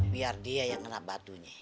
biar dia yang kena batunya